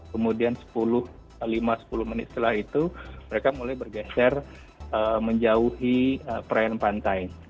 kemudian sepuluh lima sepuluh menit setelah itu mereka mulai bergeser menjauhi perayaan pantai